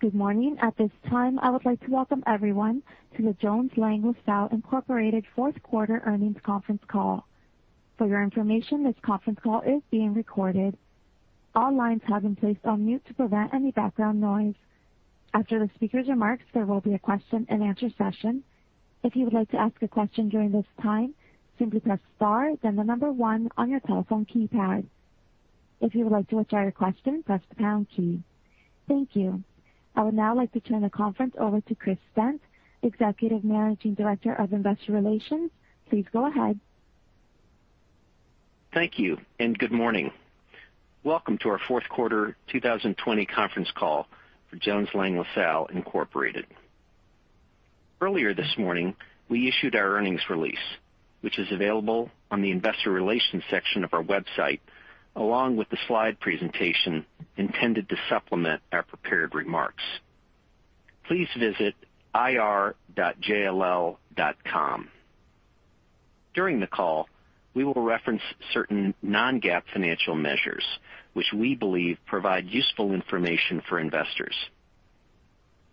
Good morning. At this time, I would like to welcome everyone to the Jones Lang LaSalle Incorporated fourth quarter earnings conference call. For your information, this conference call is being recorded. All lines have been placed on mute to prevent any background noise. After the speaker's remarks, there will be a question and answer session. If you would like to ask a question during this time, simply press star then the number one on your telephone keypad. If you would like to withdraw your question, press the pound key. Thank you. I would now like to turn the conference over to Chris Stent, Executive Managing Director of Investor Relations. Please go ahead. Thank you, and good morning. Welcome to our fourth quarter 2020 conference call for Jones Lang LaSalle Incorporated. Earlier this morning, we issued our earnings release, which is available on the investor relations section of our website, along with the slide presentation intended to supplement our prepared remarks. Please visit ir.jll.com. During the call, we will reference certain non-GAAP financial measures, which we believe provide useful information for investors.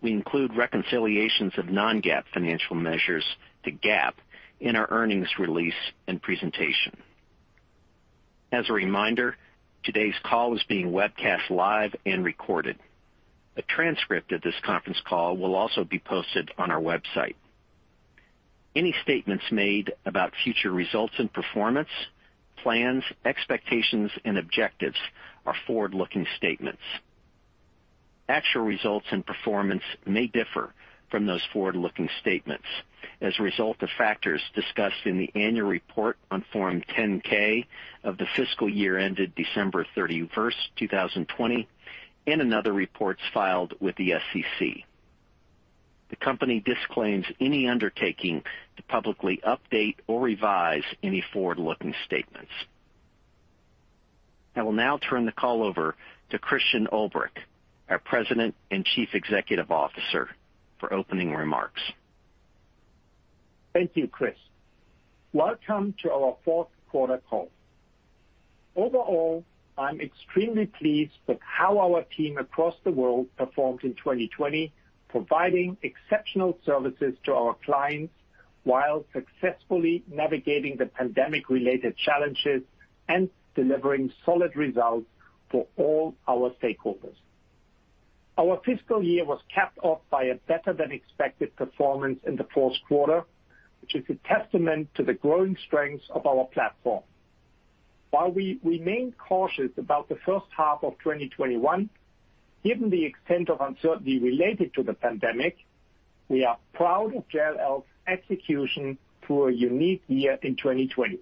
We include reconciliations of non-GAAP financial measures to GAAP in our earnings release and presentation. As a reminder, today's call is being webcast live and recorded. A transcript of this conference call will also be posted on our website. Any statements made about future results and performance, plans, expectations and objectives are forward-looking statements. Actual results and performance may differ from those forward-looking statements as a result of factors discussed in the annual report on Form 10-K of the fiscal year ended December 31st, 2020, and in other reports filed with the SEC. The company disclaims any undertaking to publicly update or revise any forward-looking statements. I will now turn the call over to Christian Ulbrich, our President and Chief Executive Officer, for opening remarks. Thank you, Chris. Welcome to our fourth quarter call. Overall, I'm extremely pleased with how our team across the world performed in 2020, providing exceptional services to our clients while successfully navigating the pandemic-related challenges and delivering solid results for all our stakeholders. Our fiscal year was capped off by a better than expected performance in the fourth quarter, which is a testament to the growing strength of our platform. While we remain cautious about the first half of 2021, given the extent of uncertainty related to the pandemic, we are proud of JLL's execution through a unique year in 2020.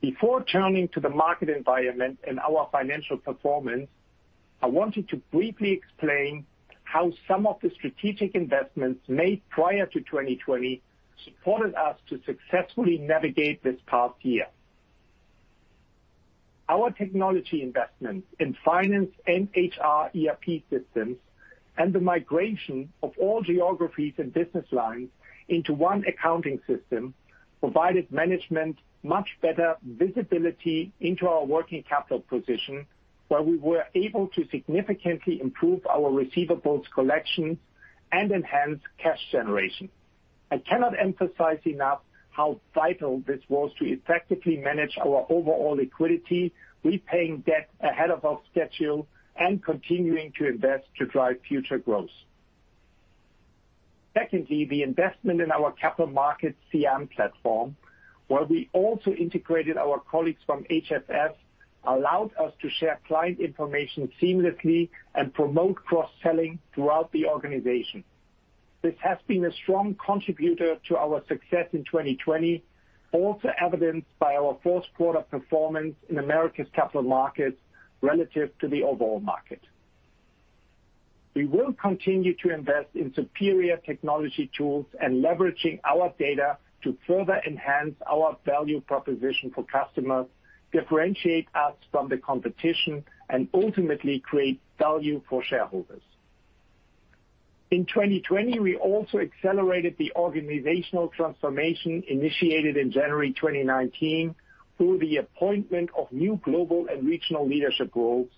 Before turning to the market environment and our financial performance, I wanted to briefly explain how some of the strategic investments made prior to 2020 supported us to successfully navigate this past year. Our technology investments in finance and HR ERP systems and the migration of all geographies and business lines into one accounting system provided management much better visibility into our working capital position, where we were able to significantly improve our receivables collection and enhance cash generation. I cannot emphasize enough how vital this was to effectively manage our overall liquidity, repaying debt ahead of our schedule and continuing to invest to drive future growth. Secondly, the investment in our capital markets CM platform, where we also integrated our colleagues from HFF, allowed us to share client information seamlessly and promote cross-selling throughout the organization. This has been a strong contributor to our success in 2020, also evidenced by our fourth quarter performance in Americas capital markets relative to the overall market. We will continue to invest in superior technology tools and leveraging our data to further enhance our value proposition for customers, differentiate us from the competition, and ultimately create value for shareholders. In 2020, we also accelerated the organizational transformation initiated in January 2019 through the appointment of new global and regional leadership roles,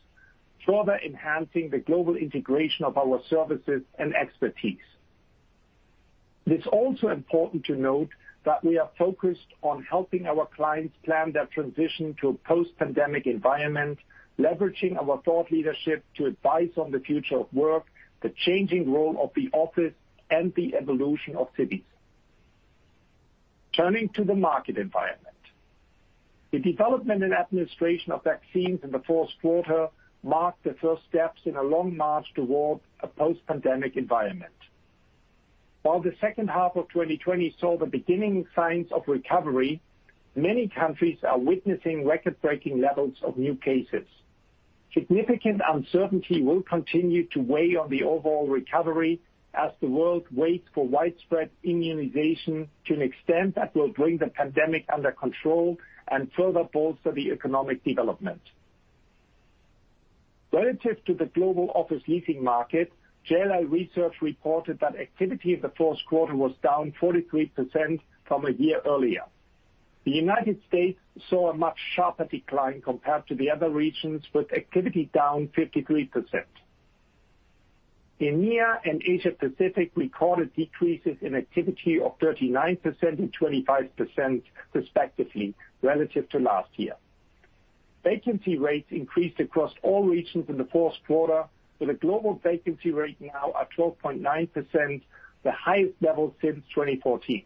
further enhancing the global integration of our services and expertise. It is also important to note that we are focused on helping our clients plan their transition to a post-pandemic environment, leveraging our thought leadership to advise on the future of work, the changing role of the office, and the evolution of cities. Turning to the market environment. The development and administration of vaccines in the fourth quarter marked the first steps in a long march toward a post-pandemic environment. While the second half of 2020 saw the beginning signs of recovery, many countries are witnessing record-breaking levels of new cases. Significant uncertainty will continue to weigh on the overall recovery as the world waits for widespread immunization to an extent that will bring the pandemic under control and further bolster the economic development. Relative to the global office leasing market, JLL Research reported that activity in the fourth quarter was down 43% from a year earlier. The United States saw a much sharper decline compared to the other regions, with activity down 53%. EMEA and Asia Pacific recorded decreases in activity of 39% and 25%, respectively, relative to last year. Vacancy rates increased across all regions in the fourth quarter, with a global vacancy rate now at 12.9%, the highest level since 2014.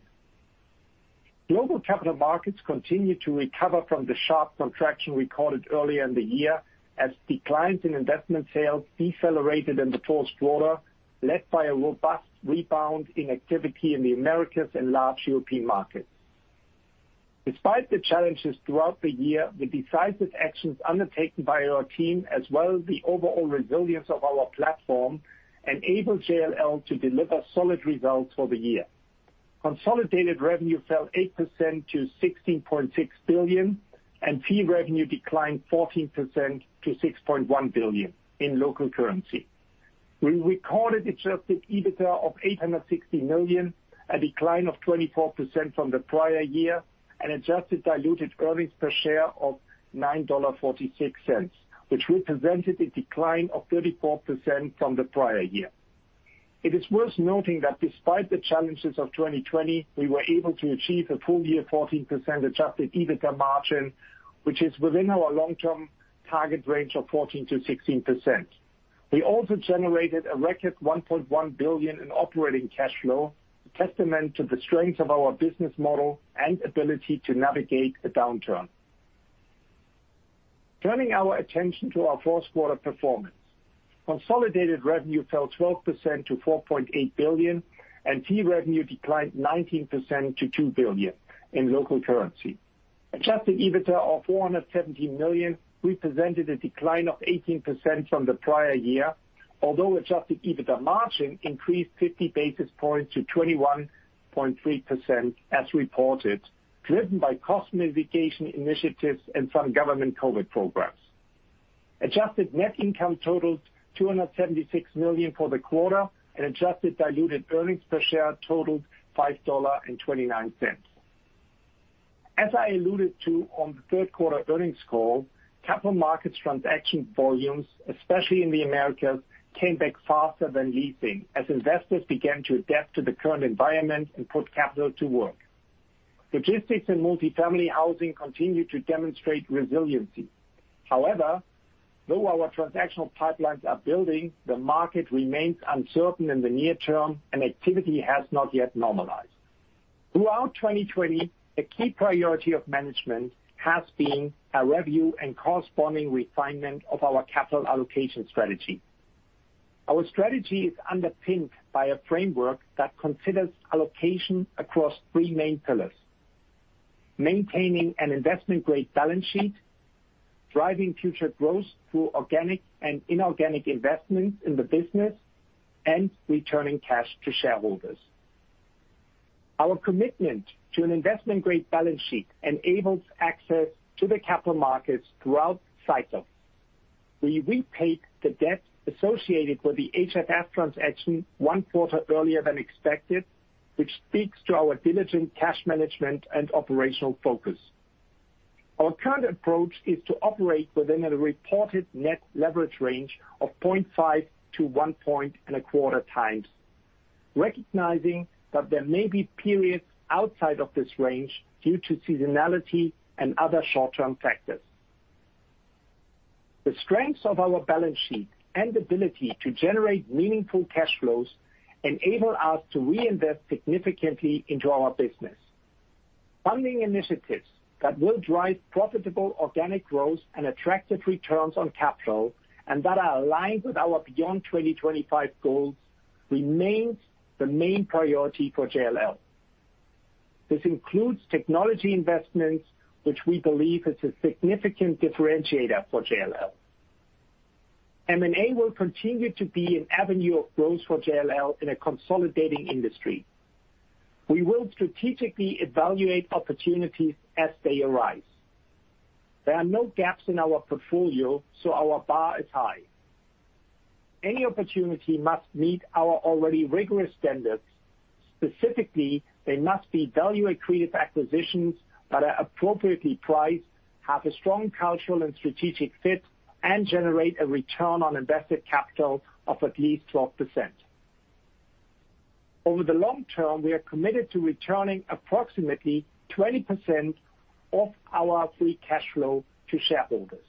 Global capital markets continue to recover from the sharp contraction recorded earlier in the year, as declines in investment sales decelerated in the fourth quarter, led by a robust rebound in activity in the Americas and large European markets. Despite the challenges throughout the year, the decisive actions undertaken by our team, as well as the overall resilience of our platform, enabled JLL to deliver solid results for the year. Consolidated revenue fell 8% to $16.6 billion, and fee revenue declined 14% to $6.1 billion in local currency. We recorded adjusted EBITDA of $860 million, a decline of 24% from the prior year, and adjusted diluted earnings per share of $9.46, which represented a decline of 34% from the prior year. It is worth noting that despite the challenges of 2020, we were able to achieve a full year 14% adjusted EBITDA margin, which is within our long-term target range of 14%-16%. We also generated a record $1.1 billion in operating cash flow, a testament to the strength of our business model and ability to navigate a downturn. Turning our attention to our fourth quarter performance. Consolidated revenue fell 12% to $4.8 billion, and fee revenue declined 19% to $2 billion in local currency. Adjusted EBITDA of $417 million represented a decline of 18% from the prior year. Although adjusted EBITDA margin increased 50 basis points to 21.3% as reported, driven by cost mitigation initiatives and some government COVID programs. Adjusted net income totaled $276 million for the quarter, and adjusted diluted earnings per share totaled $5.29. As I alluded to on the third quarter earnings call, capital markets transaction volumes, especially in the Americas, came back faster than leasing, as investors began to adapt to the current environment and put capital to work. Logistics and multifamily housing continued to demonstrate resiliency. However, though our transactional pipelines are building, the market remains uncertain in the near term and activity has not yet normalized. Throughout 2020, a key priority of management has been a review and corresponding refinement of our capital allocation strategy. Our strategy is underpinned by a framework that considers allocation across three main pillars. Maintaining an investment-grade balance sheet, driving future growth through organic and inorganic investments in the business, and returning cash to shareholders. Our commitment to an investment-grade balance sheet enables access to the capital markets throughout cycles. We repaid the debt associated with the HFF transaction one quarter earlier than expected, which speaks to our diligent cash management and operational focus. Our current approach is to operate within a reported net leverage range of 0.5 to 1.25x. Recognizing that there may be periods outside of this range due to seasonality and other short-term factors. The strengths of our balance sheet and ability to generate meaningful cash flows enable us to reinvest significantly into our business. Funding initiatives that will drive profitable organic growth and attractive returns on capital, and that are aligned with our Beyond 2025 goals, remains the main priority for JLL. This includes technology investments, which we believe is a significant differentiator for JLL. M&A will continue to be an avenue of growth for JLL in a consolidating industry. We will strategically evaluate opportunities as they arise. There are no gaps in our portfolio. Our bar is high. Any opportunity must meet our already rigorous standards. Specifically, they must be value-accretive acquisitions that are appropriately priced, have a strong cultural and strategic fit, and generate a return on invested capital of at least 12%. Over the long term, we are committed to returning approximately 20% of our free cash flow to shareholders.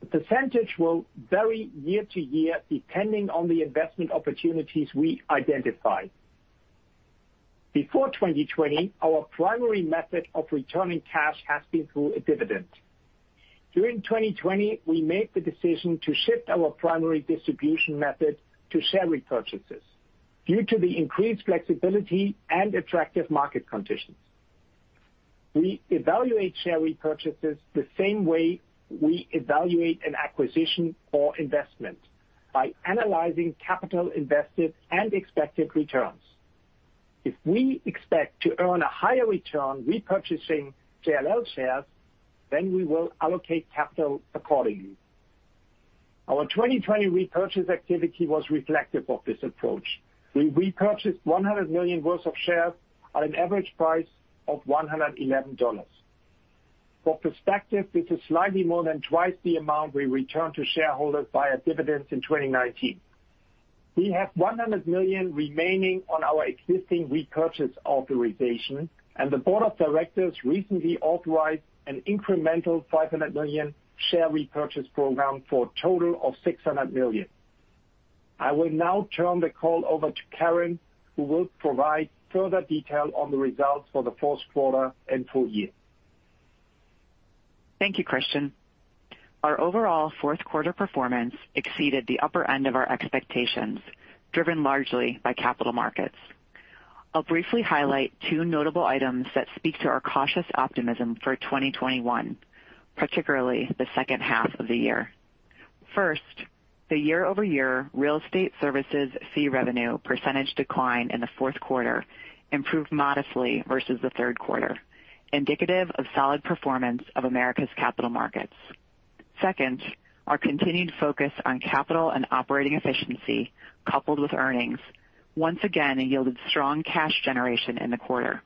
The percentage will vary year to year depending on the investment opportunities we identify. Before 2020, our primary method of returning cash has been through a dividend. During 2020, we made the decision to shift our primary distribution method to share repurchases due to the increased flexibility and attractive market conditions. We evaluate share repurchases the same way we evaluate an acquisition or investment, by analyzing capital invested and expected returns. If we expect to earn a higher return repurchasing JLL shares, then we will allocate capital accordingly. Our 2020 repurchase activity was reflective of this approach. We repurchased $100 million worth of shares at an average price of $111. For perspective, this is slightly more than twice the amount we returned to shareholders via dividends in 2019. We have $100 million remaining on our existing repurchase authorization, and the board of directors recently authorized an incremental $500 million share repurchase program for a total of $600 million. I will now turn the call over to Karen, who will provide further detail on the results for the fourth quarter and full year. Thank you, Christian. Our overall fourth quarter performance exceeded the upper end of our expectations, driven largely by capital markets. I'll briefly highlight two notable items that speak to our cautious optimism for 2021, particularly the second half of the year. First, the year-over-year real estate services fee revenue percentage decline in the fourth quarter improved modestly versus the third quarter, indicative of solid performance of Americas capital markets. Second, our continued focus on capital and operating efficiency coupled with earnings once again yielded strong cash generation in the quarter,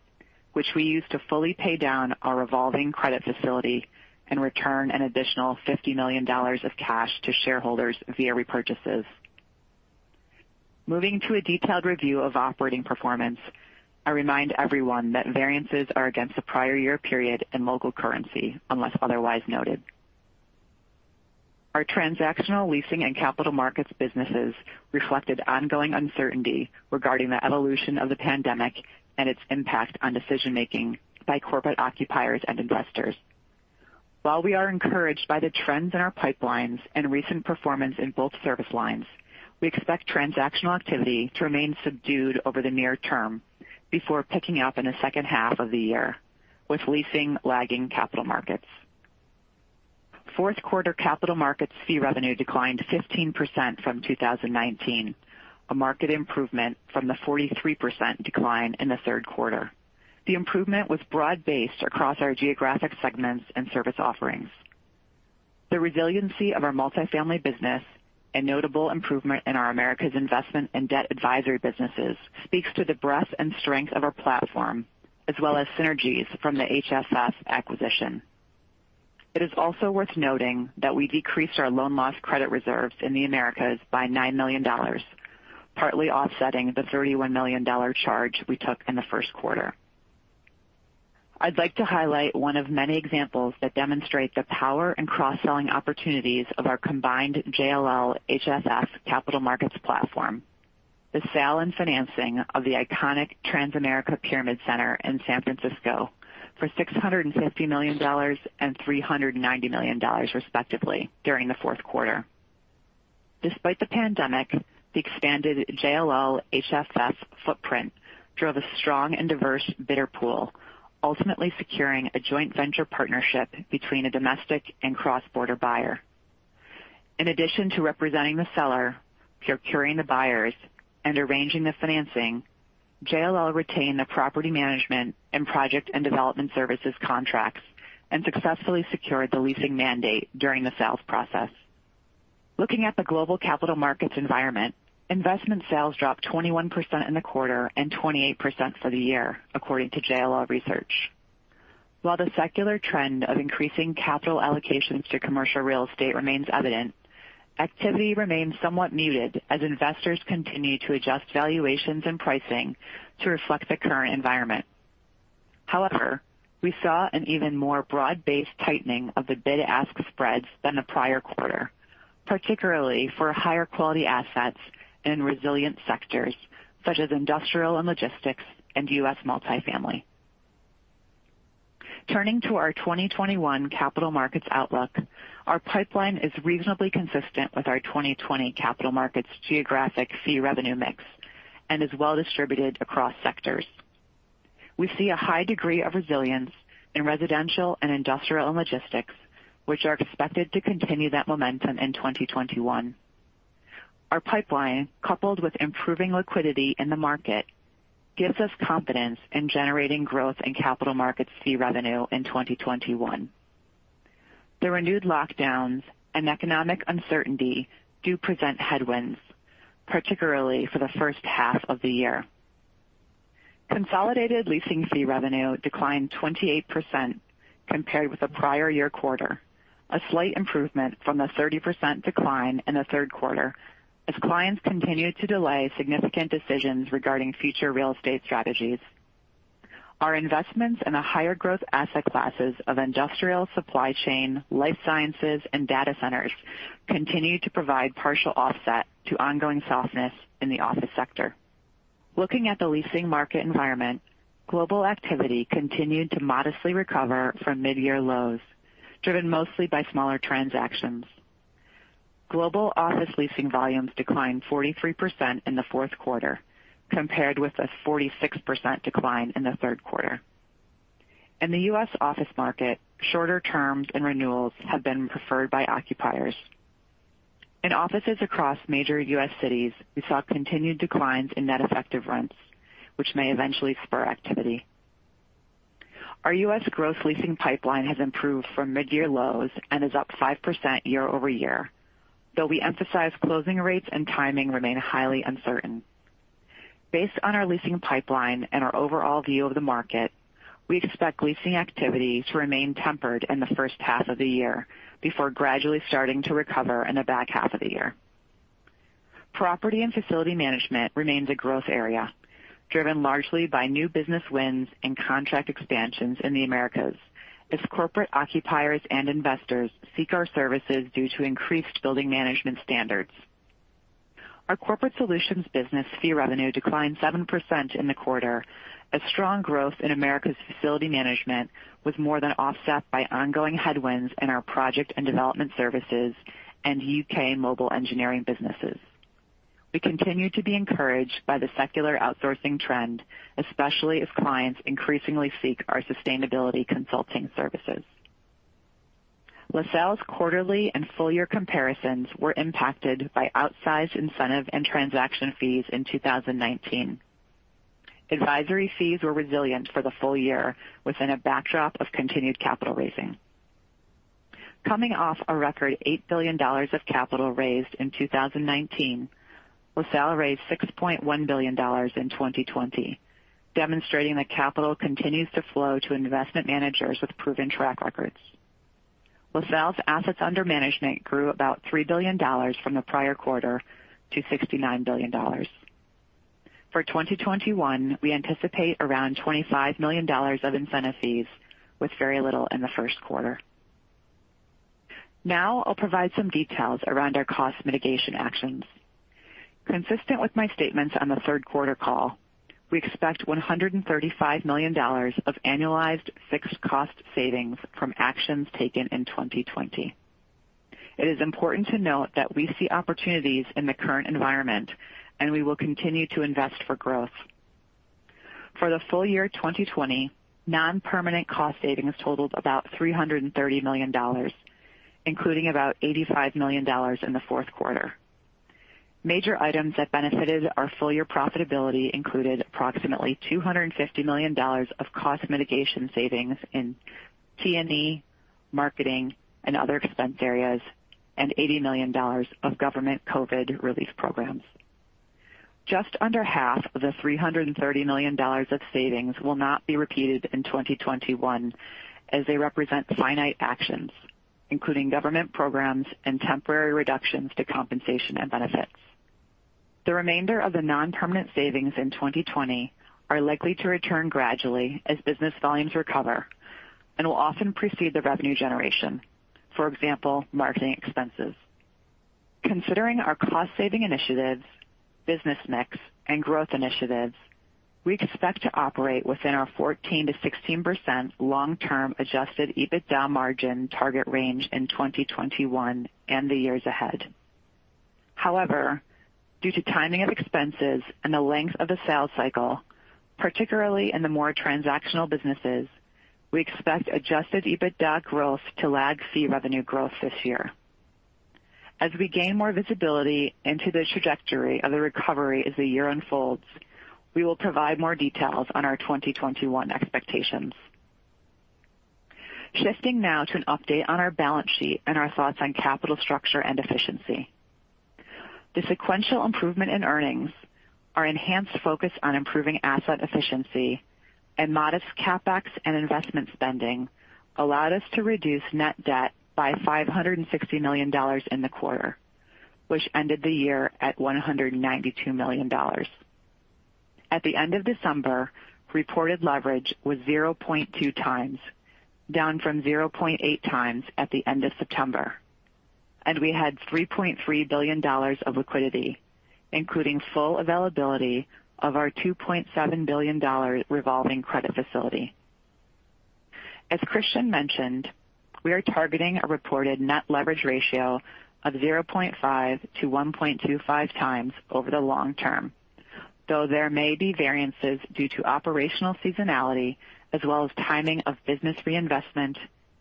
which we used to fully pay down our revolving credit facility and return an additional $50 million of cash to shareholders via repurchases. Moving to a detailed review of operating performance, I remind everyone that variances are against the prior year period in local currency, unless otherwise noted. Our transactional leasing and capital markets businesses reflected ongoing uncertainty regarding the evolution of the pandemic and its impact on decision-making by corporate occupiers and investors. While we are encouraged by the trends in our pipelines and recent performance in both service lines, we expect transactional activity to remain subdued over the near term before picking up in the second half of the year, with leasing lagging capital markets. Fourth quarter capital markets fee revenue declined 15% from 2019, a market improvement from the 43% decline in the third quarter. The improvement was broad-based across our geographic segments and service offerings. The resiliency of our multifamily business and notable improvement in our Americas investment and debt advisory businesses speaks to the breadth and strength of our platform as well as synergies from the HFF acquisition. It is also worth noting that we decreased our loan loss credit reserves in the Americas by $9 million, partly offsetting the $31 million charge we took in the first quarter. I'd like to highlight one of many examples that demonstrate the power and cross-selling opportunities of our combined JLL HFF capital markets platform, the sale and financing of the iconic Transamerica Pyramid Center in San Francisco for $650 million and $390 million respectively during the fourth quarter. Despite the pandemic, the expanded JLL HFF footprint drove a strong and diverse bidder pool, ultimately securing a joint venture partnership between a domestic and cross-border buyer. In addition to representing the seller, procuring the buyers, and arranging the financing, JLL retained the property management and project and development services contracts and successfully secured the leasing mandate during the sales process. Looking at the global capital markets environment, investment sales dropped 21% in the quarter and 28% for the year, according to JLL Research. While the secular trend of increasing capital allocations to commercial real estate remains evident, activity remains somewhat muted as investors continue to adjust valuations and pricing to reflect the current environment. However, we saw an even more broad-based tightening of the bid-ask spreads than the prior quarter, particularly for higher quality assets in resilient sectors such as industrial and logistics and U.S. multifamily. Turning to our 2021 capital markets outlook, our pipeline is reasonably consistent with our 2020 capital markets geographic fee revenue mix and is well distributed across sectors. We see a high degree of resilience in residential and industrial and logistics, which are expected to continue that momentum in 2021. Our pipeline, coupled with improving liquidity in the market, gives us confidence in generating growth in capital markets fee revenue in 2021. The renewed lockdowns and economic uncertainty do present headwinds, particularly for the first half of the year. Consolidated leasing fee revenue declined 28% compared with the prior year quarter, a slight improvement from the 30% decline in the third quarter as clients continued to delay significant decisions regarding future real estate strategies. Our investments in the higher growth asset classes of industrial supply chain, life sciences, and data centers continued to provide partial offset to ongoing softness in the office sector. Looking at the leasing market environment, global activity continued to modestly recover from midyear lows, driven mostly by smaller transactions. Global office leasing volumes declined 43% in the fourth quarter compared with a 46% decline in the third quarter. In the U.S. office market, shorter terms and renewals have been preferred by occupiers. In offices across major U.S. cities, we saw continued declines in net effective rents, which may eventually spur activity. Our U.S. gross leasing pipeline has improved from mid-year lows and is up 5% year-over-year. Though we emphasize closing rates and timing remain highly uncertain. Based on our leasing pipeline and our overall view of the market, we expect leasing activity to remain tempered in the first half of the year before gradually starting to recover in the back half of the year. Property and facility management remains a growth area, driven largely by new business wins and contract expansions in the Americas as corporate occupiers and investors seek our services due to increased building management standards. Our corporate solutions business fee revenue declined 7% in the quarter as strong growth in Americas facility management was more than offset by ongoing headwinds in our project and development services and U.K. mobile engineering businesses. We continue to be encouraged by the secular outsourcing trend, especially if clients increasingly seek our sustainability consulting services. LaSalle's quarterly and full year comparisons were impacted by outsized incentive and transaction fees in 2019. Advisory fees were resilient for the full year within a backdrop of continued capital raising. Coming off a record $8 billion of capital raised in 2019, LaSalle raised $6.1 billion in 2020, demonstrating that capital continues to flow to investment managers with proven track records. LaSalle's assets under management grew about $3 billion from the prior quarter to $69 billion. For 2021, we anticipate around $25 million of incentive fees with very little in the first quarter. Now I'll provide some details around our cost mitigation actions. Consistent with my statements on the third quarter call, we expect $135 million of annualized fixed cost savings from actions taken in 2020. It is important to note that we see opportunities in the current environment, and we will continue to invest for growth. For the full year 2020, non-permanent cost savings totaled about $330 million, including about $85 million in the fourth quarter. Major items that benefited our full-year profitability included approximately $250 million of cost mitigation savings in T&E, marketing, and other expense areas, and $80 million of government COVID relief programs. Just under half of the $330 million of savings will not be repeated in 2021, as they represent finite actions, including government programs and temporary reductions to compensation and benefits. The remainder of the non-permanent savings in 2020 are likely to return gradually as business volumes recover and will often precede the revenue generation. For example, marketing expenses. Considering our cost-saving initiatives, business mix, and growth initiatives, we expect to operate within our 14%-16% long-term adjusted EBITDA margin target range in 2021 and the years ahead. Due to timing of expenses and the length of the sales cycle, particularly in the more transactional businesses, we expect adjusted EBITDA growth to lag fee revenue growth this year. As we gain more visibility into the trajectory of the recovery as the year unfolds, we will provide more details on our 2021 expectations. Shifting now to an update on our balance sheet and our thoughts on capital structure and efficiency. The sequential improvement in earnings are enhanced focus on improving asset efficiency and modest CapEx and investment spending allowed us to reduce net debt by $560 million in the quarter, which ended the year at $192 million. At the end of December, reported leverage was 0.2x, down from 0.8x at the end of September. We had $3.3 billion of liquidity, including full availability of our $2.7 billion revolving credit facility. As Christian mentioned, we are targeting a reported net leverage ratio of 0.5x to 1.25x over the long term. Though there may be variances due to operational seasonality as well as timing of business reinvestment,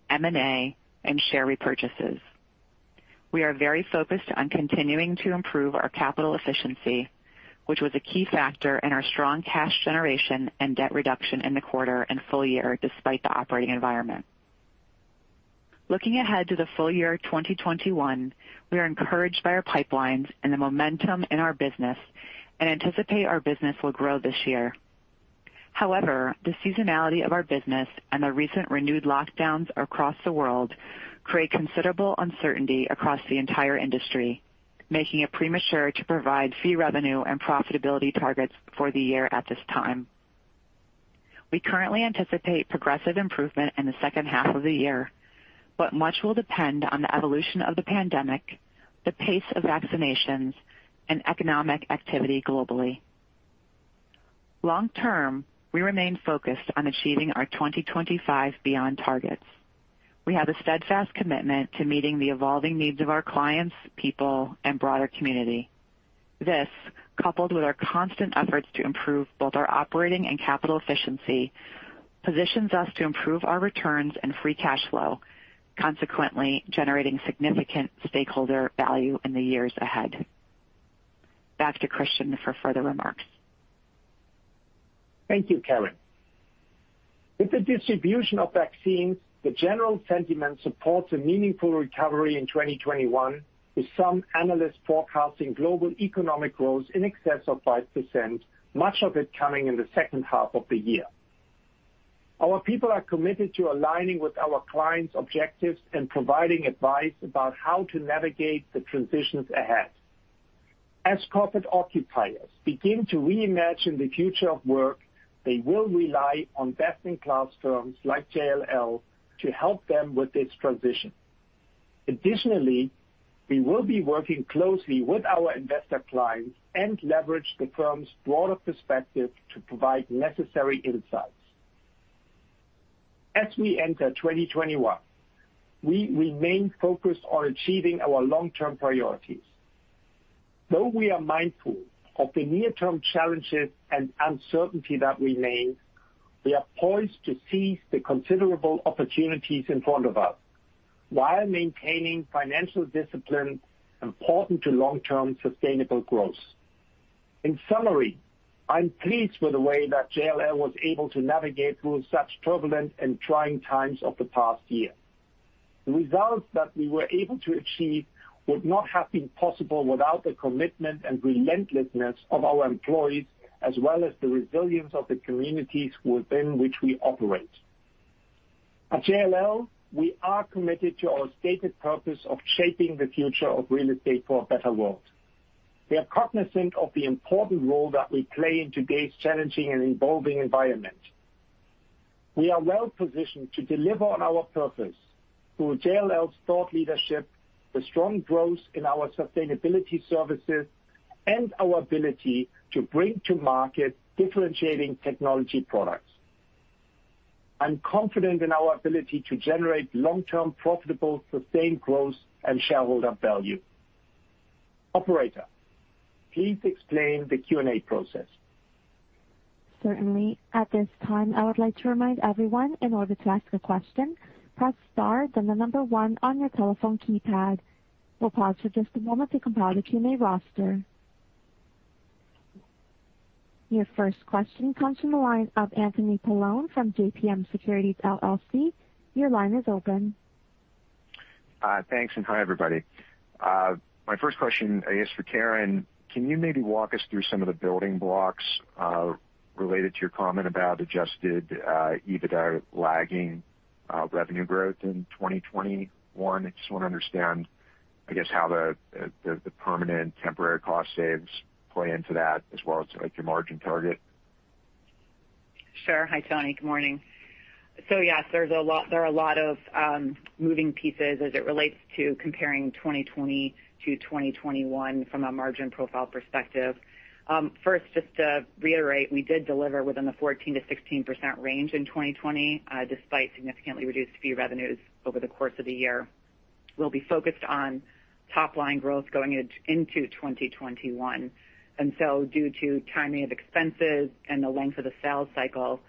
M&A, and share repurchases. We are very focused on continuing to improve our capital efficiency, which was a key factor in our strong cash generation and debt reduction in the quarter and full year despite the operating environment. Looking ahead to the full year 2021, we are encouraged by our pipelines and the momentum in our business and anticipate our business will grow this year. The seasonality of our business and the recent renewed lockdowns across the world create considerable uncertainty across the entire industry, making it premature to provide fee revenue and profitability targets for the year at this time. We currently anticipate progressive improvement in the second half of the year, but much will depend on the evolution of the pandemic, the pace of vaccinations, and economic activity globally. Long term, we remain focused on achieving our 2025 Beyond targets. We have a steadfast commitment to meeting the evolving needs of our clients, people, and broader community. This, coupled with our constant efforts to improve both our operating and capital efficiency, positions us to improve our returns and free cash flow, consequently generating significant stakeholder value in the years ahead. Back to Christian for further remarks. Thank you, Karen. With the distribution of vaccines, the general sentiment supports a meaningful recovery in 2021, with some analysts forecasting global economic growth in excess of 5%, much of it coming in the second half of the year. Our people are committed to aligning with our clients' objectives and providing advice about how to navigate the transitions ahead. As corporate occupiers begin to reimagine the future of work, they will rely on best-in-class firms like JLL to help them with this transition. Additionally, we will be working closely with our investor clients and leverage the firm's broader perspective to provide necessary insights. As we enter 2021, we remain focused on achieving our long-term priorities. Though we are mindful of the near-term challenges and uncertainty that remain, we are poised to seize the considerable opportunities in front of us while maintaining financial discipline important to long-term sustainable growth. In summary, I'm pleased with the way that JLL was able to navigate through such turbulent and trying times of the past year. The results that we were able to achieve would not have been possible without the commitment and relentlessness of our employees, as well as the resilience of the communities within which we operate. At JLL, we are committed to our stated purpose of shaping the future of real estate for a better world. We are cognizant of the important role that we play in today's challenging and evolving environment. We are well positioned to deliver on our purpose through JLL's thought leadership, the strong growth in our sustainability services, and our ability to bring to market differentiating technology products. I'm confident in our ability to generate long-term profitable, sustained growth and shareholder value. Operator, please explain the Q&A process. Certainly. At this time, I would like to remind everyone, in order to ask a question, press star, then the number one on your telephone keypad. We'll pause for just a moment to compile the Q&A roster. Your first question comes from the line of Anthony Paolone from JPM Securities LLC. Your line is open. Thanks, and hi, everybody. My first question is for Karen. Can you maybe walk us through some of the building blocks related to your comment about adjusted EBITDA lagging revenue growth in 2021? I just want to understand, I guess, how the permanent temporary cost saves play into that as well as your margin target. Sure. Hi, Tony. Good morning. Yes, there are a lot of moving pieces as it relates to comparing 2020 to 2021 from a margin profile perspective. First, just to reiterate, we did deliver within the 14%-16% range in 2020, despite significantly reduced fee revenues over the course of the year. We'll be focused on top line growth going into 2021. Due to timing of expenses and the length of the sales cycle,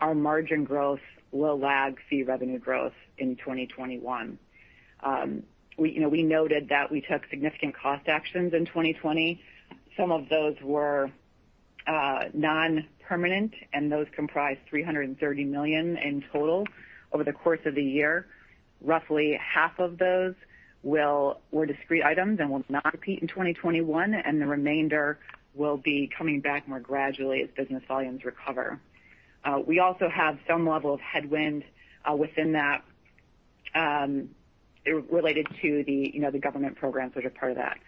our margin growth will lag fee revenue growth in 2021. We noted that we took significant cost actions in 2020. Some of those were non-permanent, and those comprised $330 million in total over the course of the year. Roughly half of those were discrete items and will not repeat in 2021, the remainder will be coming back more gradually as business volumes recover. We also have some level of headwind within that related to the government programs, which are part of that.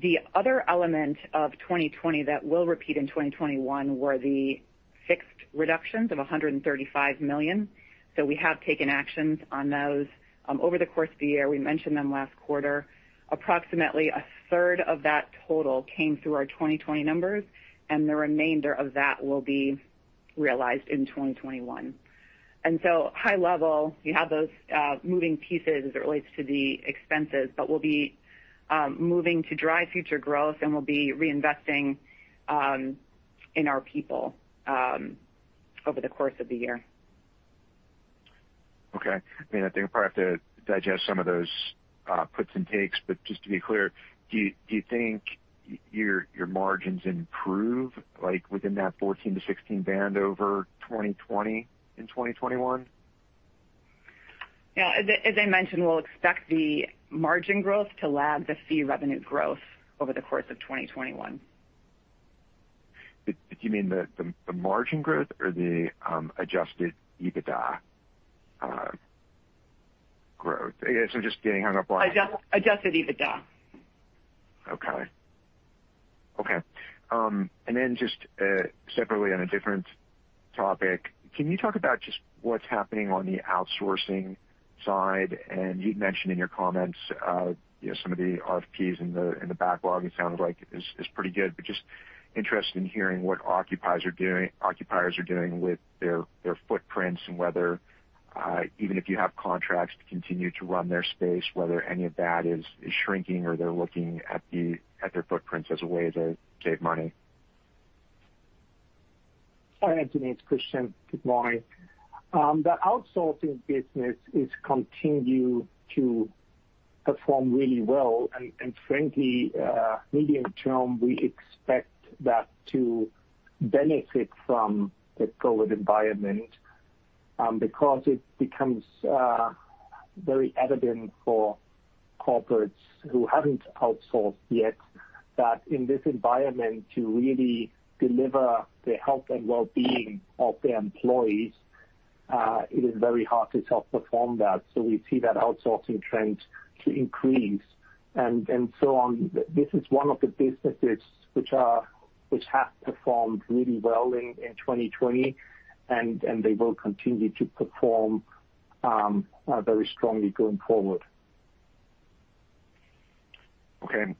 The other element of 2020 that will repeat in 2021 were the fixed reductions of $135 million. We have taken actions on those over the course of the year. We mentioned them last quarter. Approximately a third of that total came through our 2020 numbers, and the remainder of that will be realized in 2021. High level, you have those moving pieces as it relates to the expenses, but we'll be moving to drive future growth and we'll be reinvesting in our people over the course of the year. Okay. I think I probably have to digest some of those puts and takes, but just to be clear, do you think your margins improve, like within that 14-16 band over 2020 in 2021? Yeah. As I mentioned, we'll expect the margin growth to lag the fee revenue growth over the course of 2021. Do you mean the margin growth or the adjusted EBITDA growth? Adjusted EBITDA. Okay. Just separately on a different topic, can you talk about just what's happening on the outsourcing side? You'd mentioned in your comments some of the RFPs in the backlog, it sounds like is pretty good, but just interested in hearing what occupiers are doing with their footprints and whether even if you have contracts to continue to run their space, whether any of that is shrinking or they're looking at their footprints as a way to save money? Hi, Anthony, it's Christian. Good morning. The outsourcing business is continue to perform really well. Frankly, medium term, we expect that to benefit from the COVID environment, because it becomes very evident for corporates who haven't outsourced yet that in this environment to really deliver the health and well-being of their employees, it is very hard to self-perform that. We see that outsourcing trend to increase and so on. This is one of the businesses which has performed really well in 2020 and they will continue to perform very strongly going forward. Okay.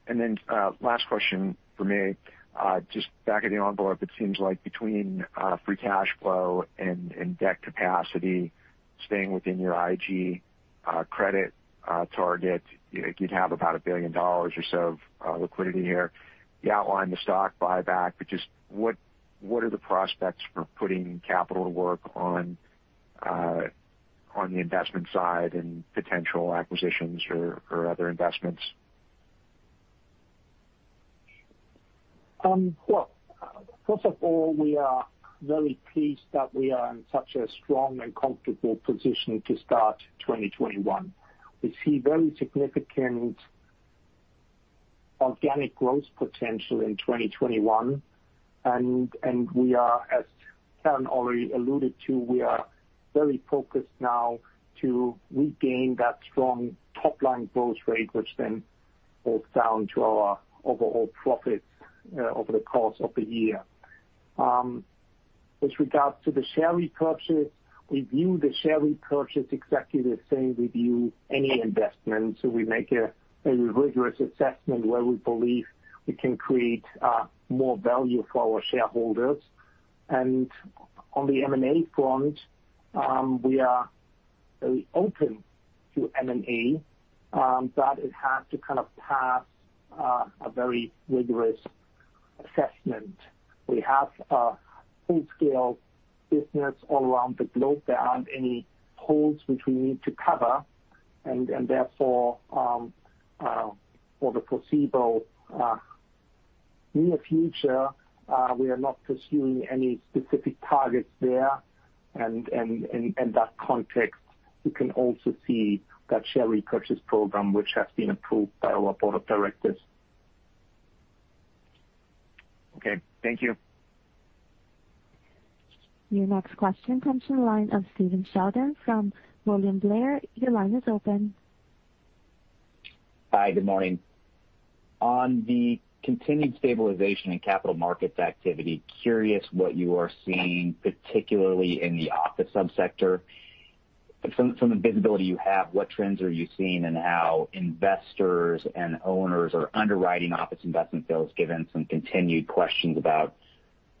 Last question from me. Just back at the envelope, it seems like between free cash flow and debt capacity staying within your IG credit target, you'd have about $1 billion or so of liquidity here. You outlined the stock buyback, but just what are the prospects for putting capital to work on the investment side and potential acquisitions or other investments? Well, first of all, we are very pleased that we are in such a strong and comfortable position to start 2021. We see very significant organic growth potential in 2021, and we are, as Karen already alluded to, very focused now to regain that strong top-line growth rate, which then falls down to our overall profits over the course of the year. With regards to the share repurchase, we view the share repurchase exactly the same we view any investment. We make a rigorous assessment where we believe we can create more value for our shareholders. On the M&A front, we are very open to M&A, but it has to kind of pass a very rigorous assessment. We have a full-scale business all around the globe. There aren't any holes which we need to cover, and therefore, for the foreseeable near future, we are not pursuing any specific targets there. In that context, you can also see that share repurchase program, which has been approved by our board of directors. Okay. Thank you. Your next question comes from the line of Stephen Sheldon from William Blair. Your line is open. Hi, good morning. On the continued stabilization in capital markets activity, curious what you are seeing, particularly in the office sub-sector. From the visibility you have, what trends are you seeing in how investors and owners are underwriting office investment deals, given some continued questions about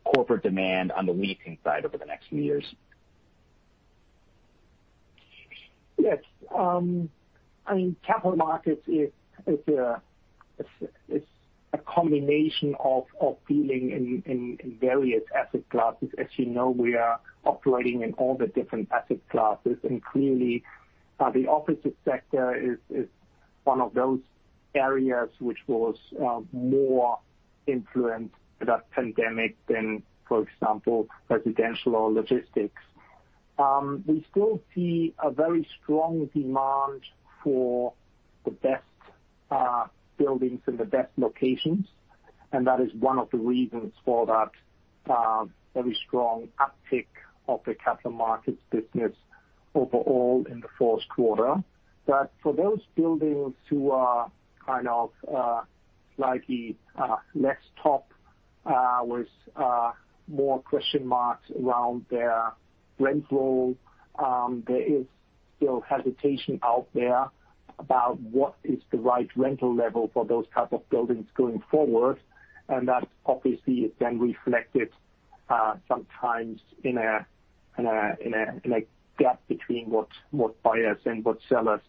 corporate demand on the leasing side over the next few years? Yes. I mean, capital markets, it's a combination of dealing in various asset classes. As you know, we are operating in all the different asset classes. Clearly, the office sector is one of those areas which was more influenced by the pandemic than, for example, residential or logistics. We still see a very strong demand for the best buildings in the best locations, and that is one of the reasons for that very strong uptick of the capital markets business overall in the first quarter. For those buildings who are kind of like the less top, with more question marks around their rent roll, there is still hesitation out there about what is the right rental level for those type of buildings going forward. That obviously is then reflected sometimes in a gap between what buyers and what sellers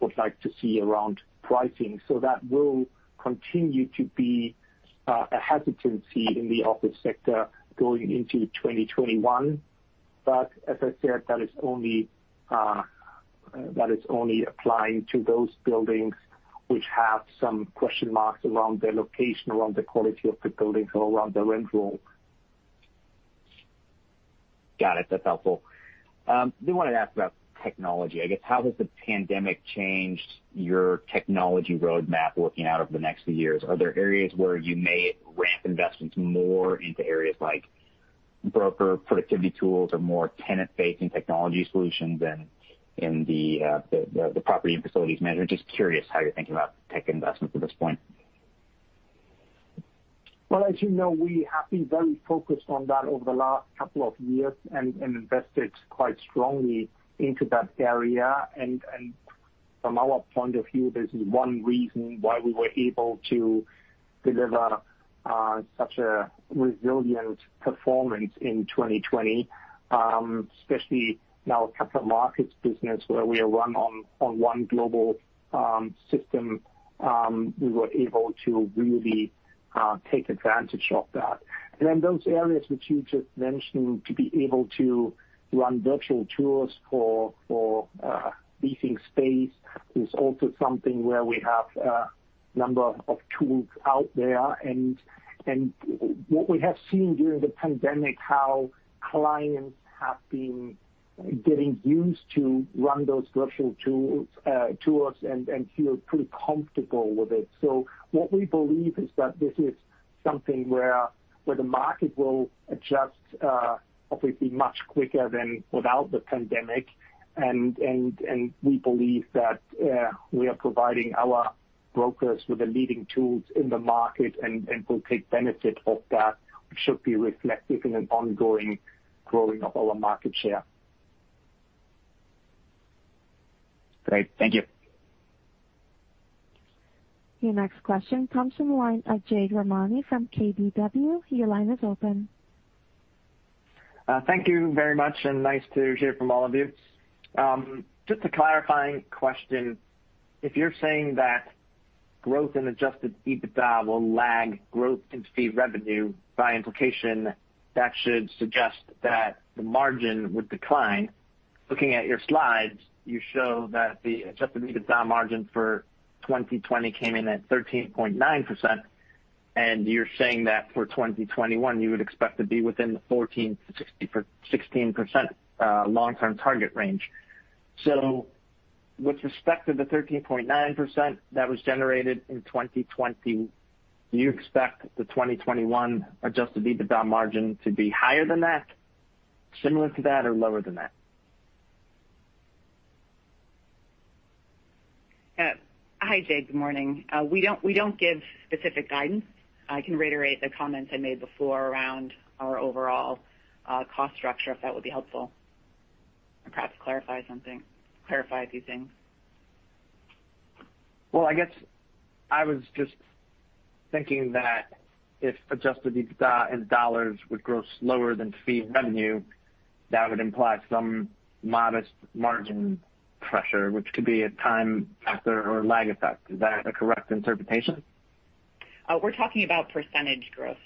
would like to see around pricing. That will continue to be a hesitancy in the office sector going into 2021. As I said, that is only applying to those buildings which have some question marks around their location, around the quality of the buildings, or around the rent roll. Got it. That's helpful. Wanted to ask about technology, I guess. How has the pandemic changed your technology roadmap looking out over the next few years? Are there areas where you may ramp investments more into areas like broker productivity tools or more tenant-facing technology solutions in the property and facilities management? Just curious how you're thinking about tech investments at this point. Well, as you know, we have been very focused on that over the last couple of years and invested quite strongly into that area. From our point of view, this is one reason why we were able to deliver such a resilient performance in 2020. Especially now capital markets business where we are run on one global system, we were able to really take advantage of that. Those areas which you just mentioned, to be able to run virtual tours for leasing space is also something where we have a number of tools out there. What we have seen during the pandemic, how clients have been getting used to run those virtual tours and feel pretty comfortable with it. What we believe is that this is something where the market will adjust obviously much quicker than without the pandemic. We believe that we are providing our brokers with the leading tools in the market, and will take benefit of that, which should be reflected in an ongoing growing of our market share. Great. Thank you. Your next question comes from the line of Jade Rahmani from KBW. Your line is open. Thank you very much, and nice to hear from all of you. Just a clarifying question. If you're saying that growth in adjusted EBITDA will lag growth in fee revenue, by implication, that should suggest that the margin would decline. Looking at your slides, you show that the adjusted EBITDA margin for 2020 came in at 13.9%, and you're saying that for 2021, you would expect to be within the 14%-16% long-term target range. With respect to the 13.9% that was generated in 2020, do you expect the 2021 adjusted EBITDA margin to be higher than that, similar to that, or lower than that? Hi, Jade. Good morning. We don't give specific guidance. I can reiterate the comments I made before around our overall cost structure, if that would be helpful, and perhaps clarify a few things. Well, I guess I was just thinking that if adjusted EBITDA in dollars would grow slower than fee revenue, that would imply some modest margin pressure, which could be a time factor or lag effect. Is that a correct interpretation? We're talking about percentage growth.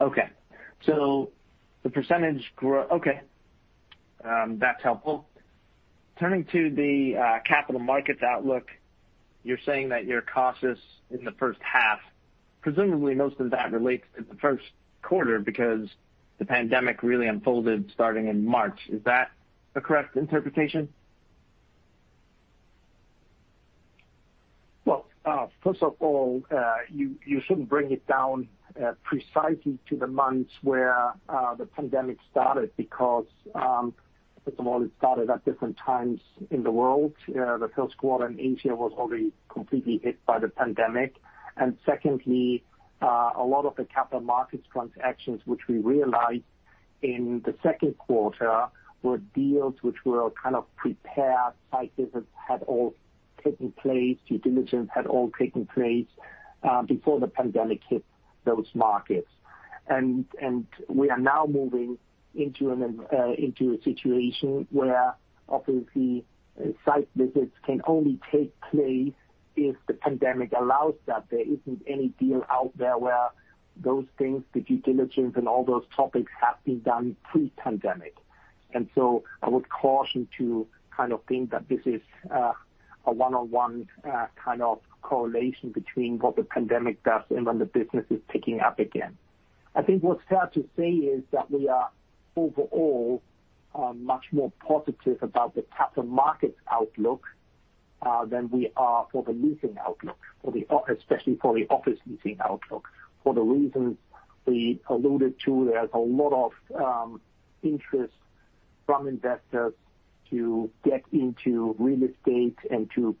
Okay. That's helpful. Turning to the capital markets outlook, you're saying that you're cautious in the first half. Presumably most of that relates to the first quarter because the pandemic really unfolded starting in March. Is that a correct interpretation? First of all, you shouldn't bring it down precisely to the months where the pandemic started because, first of all, it started at different times in the world. The first quarter in Asia was already completely hit by the pandemic. Secondly, a lot of the capital markets transactions, which we realized in the second quarter, were deals which were kind of prepared. Site visits had all taken place. Due diligence had all taken place before the pandemic hit those markets. We are now moving into a situation where obviously site visits can only take place if the pandemic allows that. There isn't any deal out there where those things, the due diligence and all those topics have been done pre-pandemic. I would caution to kind of think that this is a one-on-one kind of correlation between what the pandemic does and when the business is picking up again. I think what's fair to say is that we are overall much more positive about the capital markets outlook than we are for the leasing outlook, especially for the office leasing outlook. For the reasons we alluded to, there's a lot of interest from investors to get into real estate and to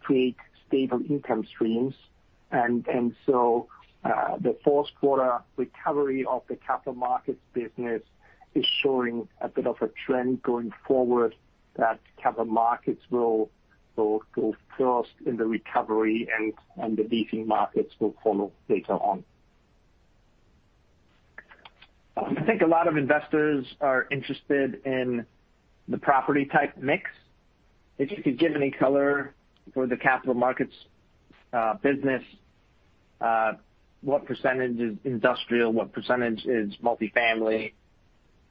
create stable income streams. And so, the fourth quarter recovery of the capital markets business is showing a bit of a trend going forward that capital markets will go first in the recovery and the leasing markets will follow later on. I think a lot of investors are interested in the property type mix. If you could give any color for the capital markets business, what percentage is industrial, what % is multifamily,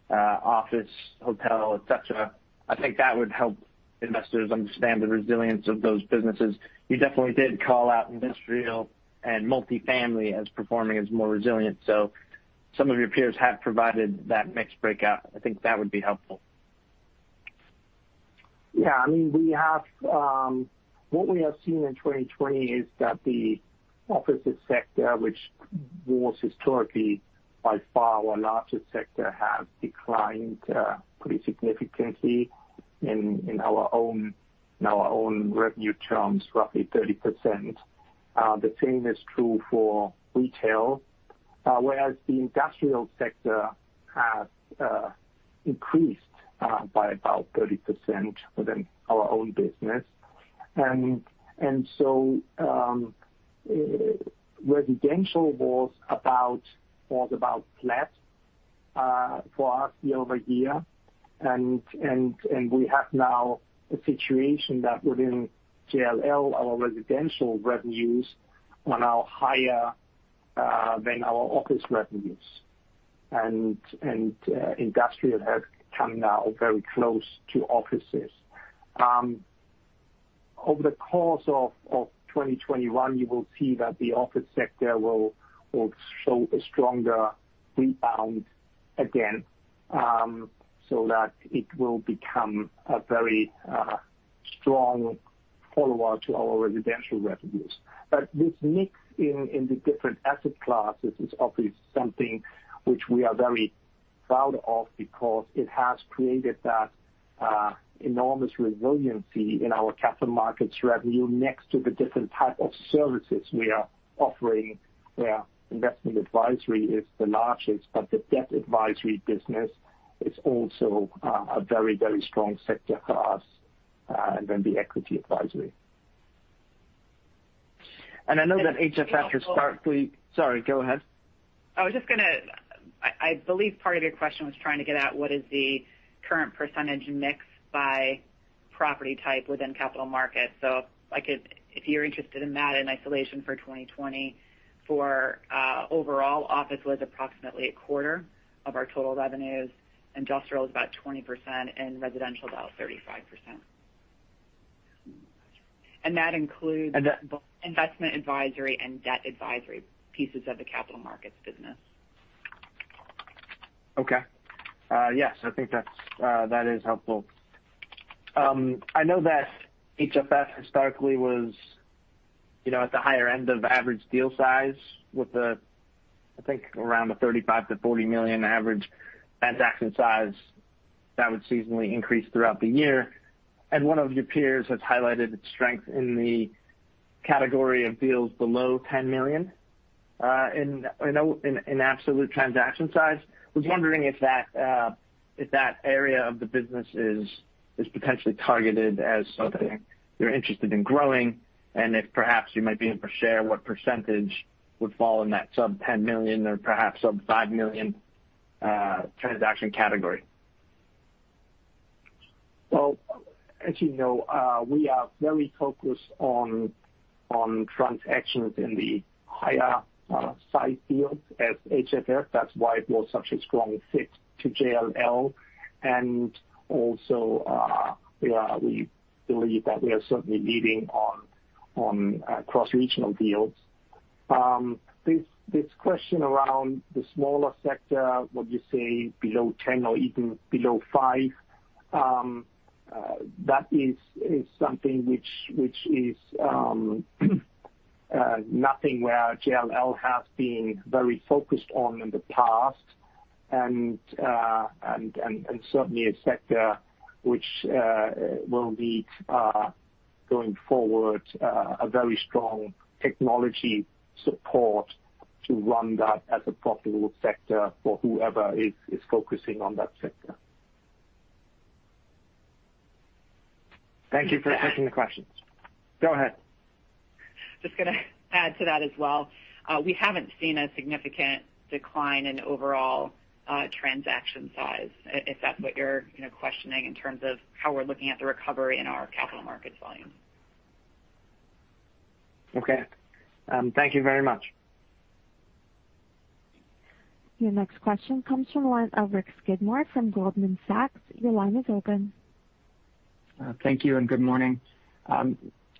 office, hotel, et cetera. I think that would help investors understand the resilience of those businesses. You definitely did call out industrial and multifamily as performing as more resilient. Some of your peers have provided that mix breakout. I think that would be helpful. Yeah. What we have seen in 2020 is that the offices sector, which was historically by far our largest sector, has declined pretty significantly in our own revenue terms, roughly 30%. The same is true for retail. Whereas the industrial sector has increased by about 30% within our own business. Residential was about flat for us year-over-year. We have now a situation that within JLL, our residential revenues are now higher than our office revenues. Industrial has come now very close to offices. Over the course of 2021, you will see that the office sector will show a stronger rebound again, so that it will become a very strong follower to our residential revenues. This mix in the different asset classes is obviously something which we are very proud of because it has created that enormous resiliency in our capital markets revenue next to the different type of services we are offering where investment advisory is the largest. The debt advisory business is also a very strong sector for us. The equity advisory. I believe part of your question was trying to get at what is the current percentage mix by property type within capital markets. If you're interested in that in isolation for 2020, for overall office was approximately a quarter of our total revenues. Industrial is about 20% and residential about 35%. That includes investment advisory and debt advisory pieces of the capital markets business. Okay. Yes. I think that is helpful. I know that HFF historically was at the higher end of average deal size with the, I think, around the $35 million-$40 million average transaction size that would seasonally increase throughout the year. One of your peers has highlighted its strength in the category of deals below $10 million in absolute transaction size. Was wondering if that area of the business is potentially targeted as something you're interested in growing, and if perhaps you might be able to share what percentage would fall in that sub $10 million or perhaps sub $5 million transaction category. As you know, we are very focused on transactions in the higher size deals at HFF. That's why it was such a strong fit to JLL. Also, we believe that we are certainly leading on cross-regional deals. This question around the smaller sector, what you say below 10 or even below five, that is something which is nothing where JLL has been very focused on in the past and certainly a sector which will need, going forward, a very strong technology support to run that as a profitable sector for whoever is focusing on that sector. Thank you for taking the question. Go ahead. Going to add to that as well. We haven't seen a significant decline in overall transaction size, if that's what you're questioning in terms of how we're looking at the recovery in our capital markets volume. Okay. Thank you very much. Your next question comes from the line of Rick Skidmore from Goldman Sachs. Your line is open. Thank you and good morning.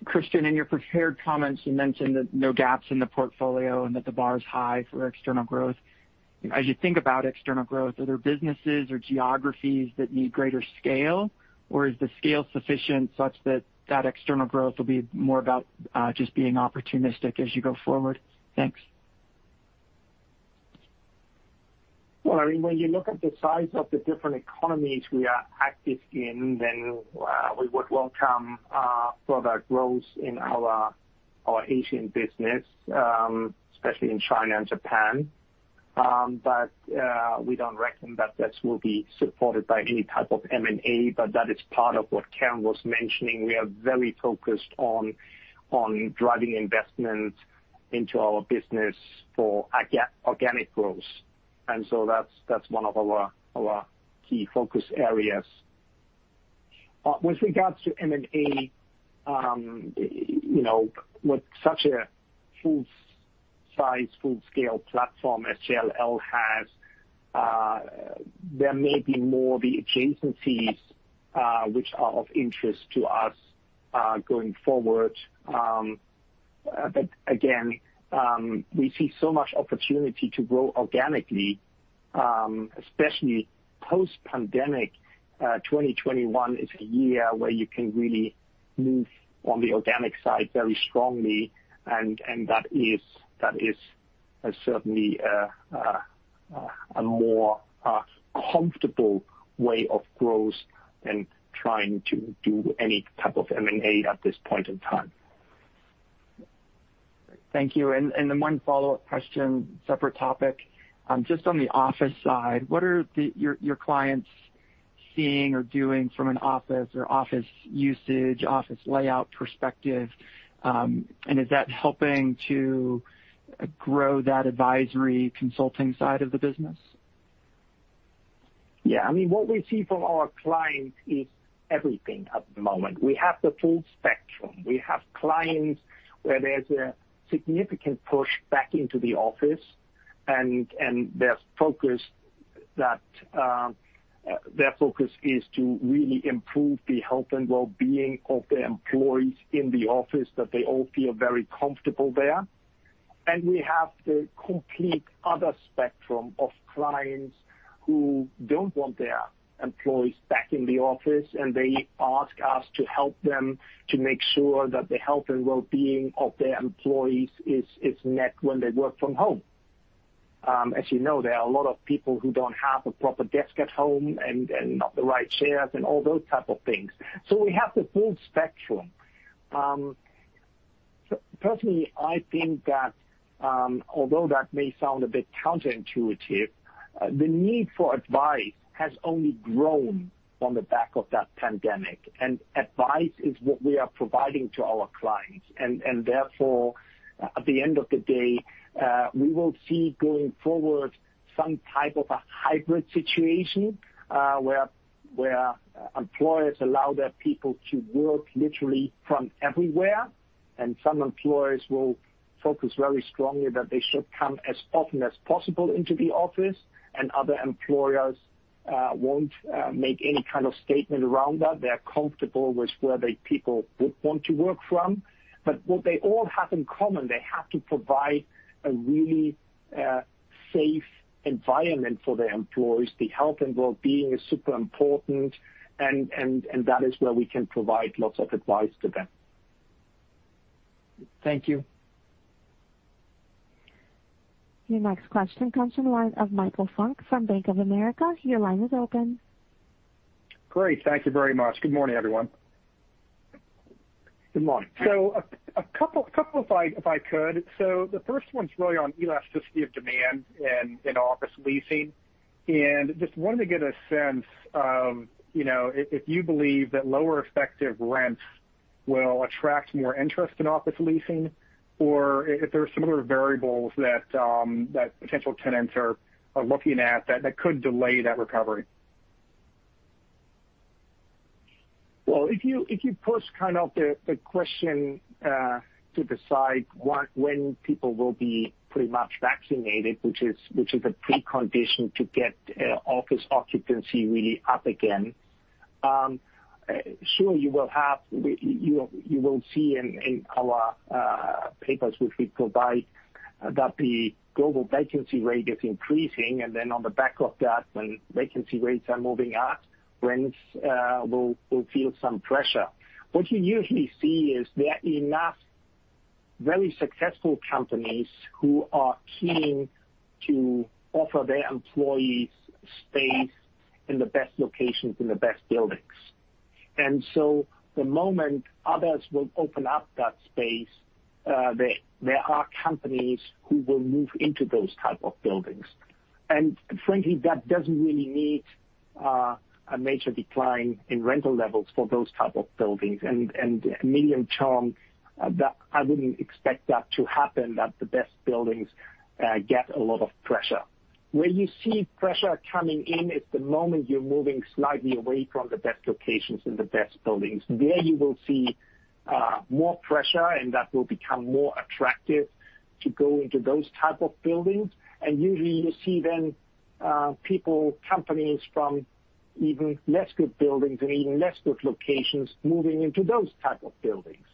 Christian, in your prepared comments, you mentioned that no gaps in the portfolio and that the bar is high for external growth. As you think about external growth, are there businesses or geographies that need greater scale, or is the scale sufficient such that external growth will be more about just being opportunistic as you go forward? Thanks. I mean, when you look at the size of the different economies we are active in, then we would welcome further growth in our Asian business, especially in China and Japan. We don't reckon that this will be supported by any type of M&A, but that is part of what Karen was mentioning. We are very focused on driving investment into our business for organic growth. That's one of our key focus areas. With regards to M&A, with such a full size, full-scale platform as JLL has, there may be more of the adjacencies which are of interest to us going forward. Again, we see so much opportunity to grow organically, especially post pandemic. 2021 is a year where you can really move on the organic side very strongly, and that is certainly a more comfortable way of growth than trying to do any type of M&A at this point in time. Thank you. One follow-up question, separate topic. Just on the office side, what are your clients seeing or doing from an office or office usage, office layout perspective? Is that helping to grow that advisory consulting side of the business? Yeah. What we see from our clients is everything at the moment. We have the full spectrum. We have clients where there's a significant push back into the office, and their focus is to really improve the health and wellbeing of their employees in the office, that they all feel very comfortable there. We have the complete other spectrum of clients who don't want their employees back in the office, and they ask us to help them to make sure that the health and wellbeing of their employees is met when they work from home. As you know, there are a lot of people who don't have a proper desk at home and not the right chairs and all those type of things. We have the full spectrum. Personally, I think that although that may sound a bit counterintuitive, the need for advice has only grown on the back of that pandemic. Advice is what we are providing to our clients. Therefore, at the end of the day, we will see, going forward, some type of a hybrid situation, where employers allow their people to work literally from everywhere. Some employers will focus very strongly that they should come as often as possible into the office, and other employers won't make any kind of statement around that. They are comfortable with where their people would want to work from. What they all have in common, they have to provide a really safe environment for their employees. The health and wellbeing is super important, and that is where we can provide lots of advice to them. Thank you. Your next question comes from the line of Michael Funk from Bank of America. Your line is open. Great. Thank you very much. Good morning, everyone. Good morning. A couple if I could. The first one's really on elasticity of demand in office leasing. Just wanted to get a sense of if you believe that lower effective rents will attract more interest in office leasing, or if there are similar variables that potential tenants are looking at that could delay that recovery. Well, if you push kind of the question to the side, when people will be pretty much vaccinated, which is a precondition to get office occupancy really up again. Sure, you will see in our papers, which we provide, that the global vacancy rate is increasing. On the back of that, when vacancy rates are moving up, rents will feel some pressure. What you usually see is there are enough very successful companies who are keen to offer their employees space in the best locations, in the best buildings. The moment others will open up that space, there are companies who will move into those type of buildings. Frankly, that doesn't really need a major decline in rental levels for those type of buildings. Medium term, I wouldn't expect that to happen, that the best buildings get a lot of pressure. Where you see pressure coming in is the moment you're moving slightly away from the best locations and the best buildings. There you will see more pressure, that will become more attractive to go into those type of buildings. Usually you see then people, companies from even less good buildings and even less good locations moving into those type of buildings.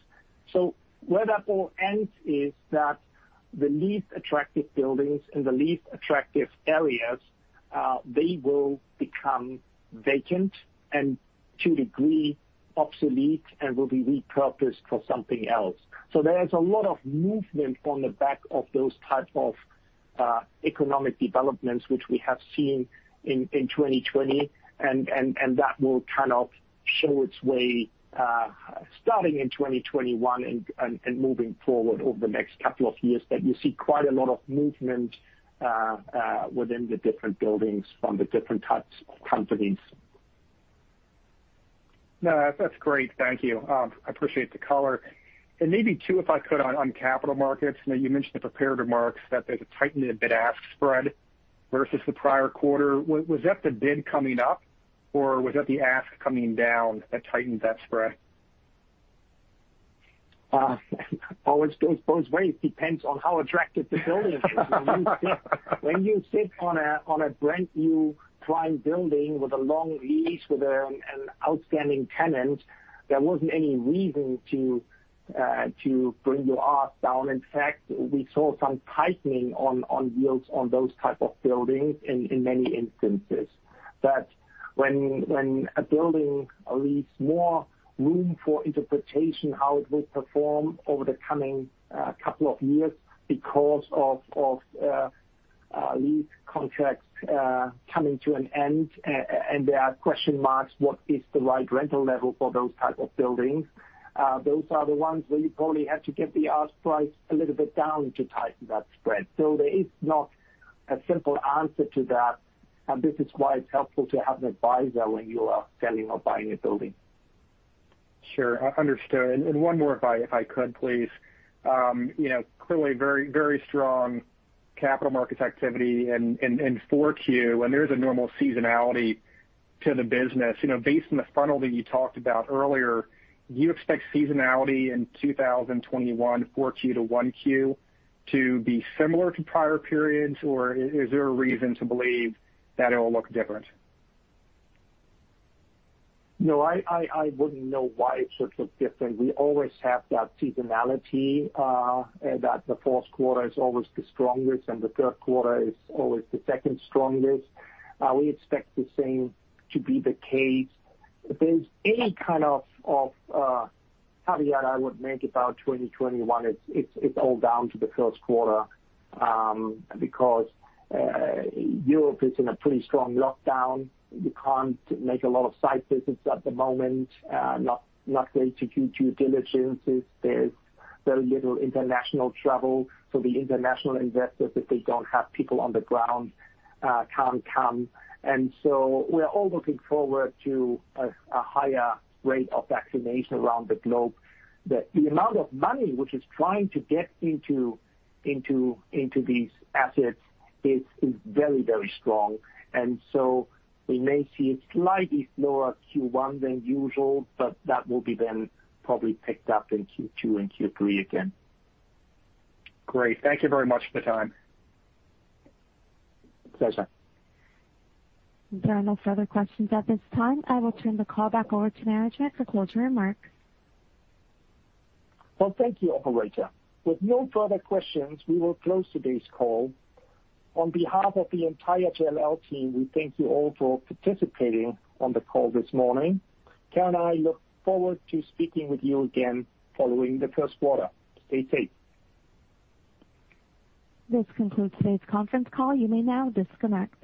Where that all ends is that the least attractive buildings and the least attractive areas, they will become vacant and to a degree obsolete and will be repurposed for something else. There is a lot of movement on the back of those type of economic developments, which we have seen in 2020, and that will kind of show its way starting in 2021 and moving forward over the next couple of years. You see quite a lot of movement within the different buildings from the different types of companies. No, that's great. Thank you. I appreciate the color. Maybe two, if I could, on capital markets. You mentioned in prepared remarks that there's a tightened bid-ask spread versus the prior quarter. Was that the bid coming up, or was that the ask coming down that tightened that spread? Oh, it goes both ways. Depends on how attractive the building is. When you sit on a brand new prime building with a long lease, with an outstanding tenant, there wasn't any reason to bring your ask down. In fact, we saw some tightening on yields on those type of buildings in many instances. When a building leaves more room for interpretation, how it will perform over the coming couple of years, Lease contracts coming to an end, and there are question marks, what is the right rental level for those type of buildings? Those are the ones where you probably have to get the ask price a little bit down to tighten that spread. There is not a simple answer to that, and this is why it's helpful to have an advisor when you are selling or buying a building. Sure. Understood. One more if I could, please. Clearly, very strong capital markets activity in 4Q, and there is a normal seasonality to the business. Based on the funnel that you talked about earlier, do you expect seasonality in 2021, 4Q to 1Q, to be similar to prior periods, or is there a reason to believe that it will look different? No, I wouldn't know why it should look different. We always have that seasonality, that the fourth quarter is always the strongest and the third quarter is always the second strongest. We expect the same to be the case. If there's any kind of caveat I would make about 2021, it's all down to the first quarter, because Europe is in a pretty strong lockdown. You can't make a lot of site visits at the moment, not very acute due diligences. There's very little international travel. The international investors, if they don't have people on the ground, can't come. We're all looking forward to a higher rate of vaccination around the globe. The amount of money which is trying to get into these assets is very, very strong. We may see a slightly slower Q1 than usual, but that will be then probably picked up in Q2 and Q3 again. Great. Thank you very much for the time. Pleasure. There are no further questions at this time. I will turn the call back over to management for closing remarks. Well, thank you, operator. With no further questions, we will close today's call. On behalf of the entire JLL team, we thank you all for participating on the call this morning. Karen and I look forward to speaking with you again following the first quarter. Stay safe. This concludes today's conference call. You may now disconnect.